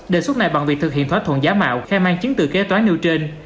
đề xuất này bằng việc thực hiện thoát thuận giá mạo khai mang chiến từ kế toán nêu trên